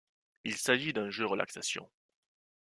Il s'agit d'un jeu relaxation.